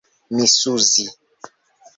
misuzi